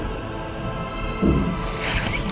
harus siap ya